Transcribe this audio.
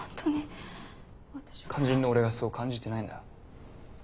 肝心の俺がそう感じてないんだ。